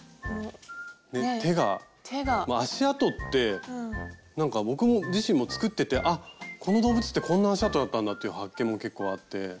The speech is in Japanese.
手が足あとってなんか僕自身も作っててこの動物ってこんな足あとだったんだって発見も結構あって。